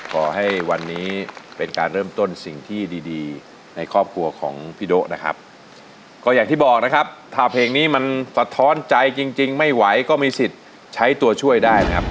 ขอให้วันนี้เป็นการเริ่มต้นสิ่งที่ดีดีในครอบครัวของพี่โด๊ะนะครับก็อย่างที่บอกนะครับถ้าเพลงนี้มันสะท้อนใจจริงไม่ไหวก็มีสิทธิ์ใช้ตัวช่วยได้นะครับ